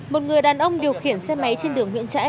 một người đàn ông điều khiển xe máy trên đường nguyễn trãi